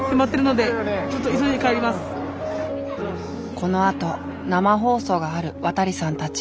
このあと生放送がある渡さんたち。